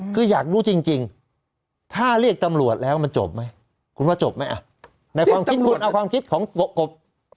คืออยากรู้จริงถ้าเรียกตำรวจแล้วมันจบไหมคุณว่าจบไหมในความคิดคุณเอาความคิดของกบ